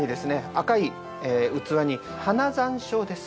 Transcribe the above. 赤い器に花山椒です。